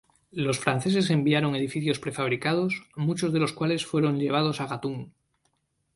Los franceses enviaron edificios prefabricados, muchos de los cuales fueron llevados a Gatún.